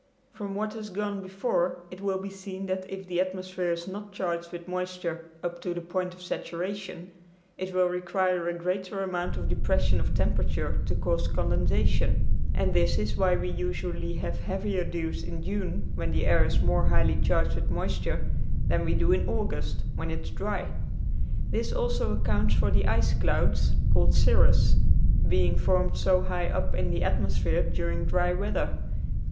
From what has gone before it will be seen that if the atmosphere is not charged with moisture up to the point of saturation it will require a greater amount of depression of temperature to cause condensation, and this is why we usually have heavier dews in June when the air is more highly charged with moisture than we do in August when it is dry. This also accounts for the ice clouds, called cirrus, being formed so high up in the atmosphere during dry weather.